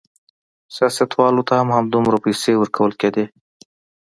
سیاستوالو ته هم همدومره پیسې ورکول کېدې.